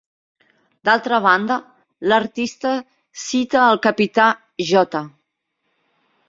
D'altra banda, l'artista cita el Capità J.